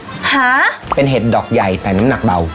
หาเป็นเห็ดดอกใหญ่แต่น้ำหนักเบา